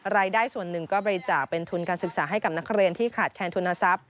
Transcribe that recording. รายได้ส่วนหนึ่งก็บริจาคเป็นทุนการศึกษาให้กับนักเรียนที่ขาดแคนทุนทรัพย